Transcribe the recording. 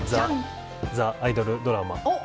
ＴＨＥアイドルドラマ。